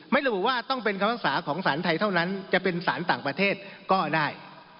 ระบุว่าต้องเป็นคำภาษาของสารไทยเท่านั้นจะเป็นสารต่างประเทศก็ได้